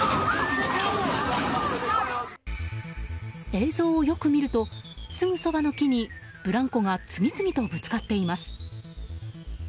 映像をよく見るとすぐそばの木にブランコが次々とぶつかっています。